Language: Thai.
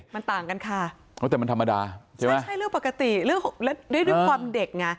มันต่างกันค่ะอ๋อแต่มันธรรมดาใช่ไหมไม่ใช่เรื่องปกติเรื่องแล้วด้วยด้วยความเด็กไง